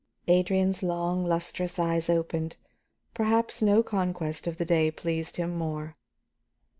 Adrian's long lustrous eyes opened; perhaps no conquest of the day pleased him more.